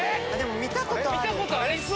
見たことありそう。